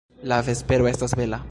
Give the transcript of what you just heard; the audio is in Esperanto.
La vespero estas bela!